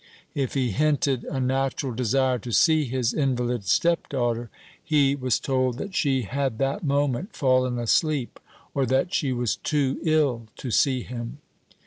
If he hinted a natural desire to see his invalid stepdaughter, he was told that she had that moment fallen asleep, or that she was too ill to see him.